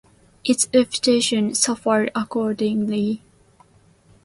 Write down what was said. Its reputation suffered accordingly.